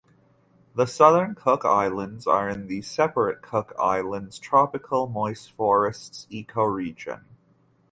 The Southern Cook Islands are in the separate Cook Islands tropical moist forests ecoregion.